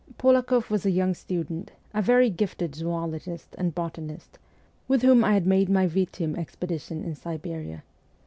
Polakoff was a young student, a very gifted zoologist and botanist, with whom I had made my Vitim expedition in Siberia.